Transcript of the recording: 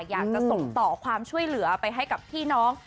อยากจะส่งต่อความช่วยเหลือไปให้กับพี่น้อง